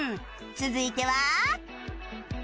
続いては